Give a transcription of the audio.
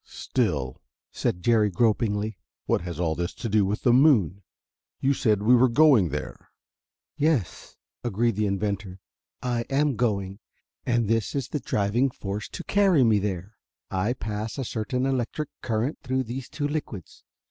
"Still," said Jerry, gropingly, "what has all that to do with the moon? You said you were going there." "Yes," agreed the inventor. I am going, and this is the driving force to carry me there. I pass a certain electric current through these two liquids.